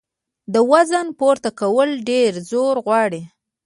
د وزن پورته کول ډېر زور غواړي.